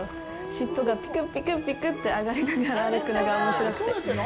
尻尾がピクッピクッピクッて上がりながら歩くのがおもしろくて。